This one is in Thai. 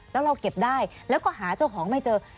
แล้วเราเก็บได้แล้วก็หาเจ้าของไม่เจอ